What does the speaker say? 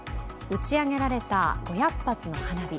打ち上げられた５００発の花火。